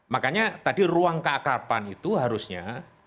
makanya tadi ruang keakrapan itu harusnya